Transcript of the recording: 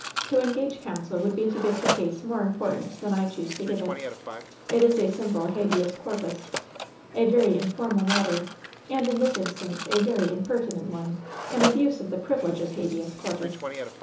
To engage counsel would be to give the case more importance than I choose to give it. It is a simple habeas corpus. A very informal matter, and, in this instance, a very impertinent one — an abuse of the privilege of habeas corpus.